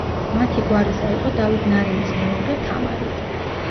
მათი გვარისა იყო დავით ნარინის მეუღლე თამარი.